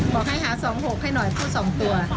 บอกให้หา๒๖ให้หน่อยพูด๒ตัว